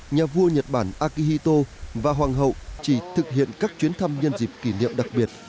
nhà vua nhật bản akihito và hoàng hậu chỉ thực hiện các chuyến thăm nhân dịp kỷ niệm đặc biệt